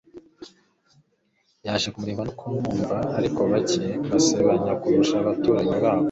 yaje kumureba no kumwumva. ariko bake, basebanya kurusha abaturanyi babo